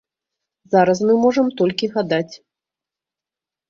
Зараз мы можам толькі гадаць.